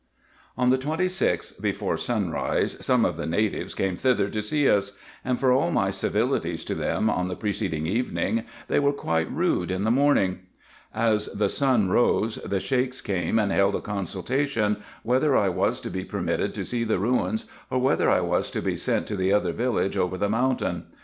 On the 26th, before sunrise, some of the natives came thither to see us, and for all my civilities to them on the preceding evening, they were quite rude in the morning. As the sun rose, the Sheiks came and held a consultation, whether I was to be permitted to see the ruins, or whether I was to be sent to the other village over the mountain.